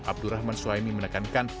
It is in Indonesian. abdurrahman suhaimi menekankan